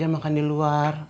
minta diajak makan di luar